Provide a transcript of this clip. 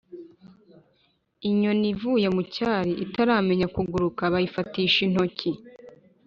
Inyoni ivuye mu cyari itaramenya kuguruka bayifatisha intoki.